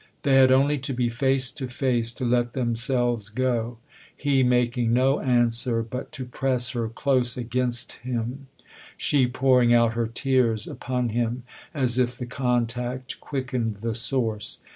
They had only to be face to face to let themselves go ; he making no answer but to press her close against him, she pouring out her tears upon him as if the contact quickened the source.